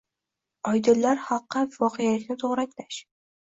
Oydinlar xalqqa voqelikni to‘g‘ri anglash